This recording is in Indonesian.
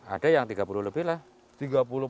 ada yang tiga puluh lebih lah